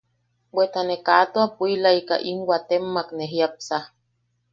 Bweta ne kaa tua puʼilaika im watemmak ne jiapsa.